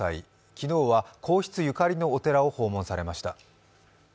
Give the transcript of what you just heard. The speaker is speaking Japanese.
昨日は皇室ゆかりのお寺を訪問されました。